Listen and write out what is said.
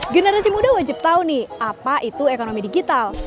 generasi muda wajib tahu nih apa itu ekonomi digital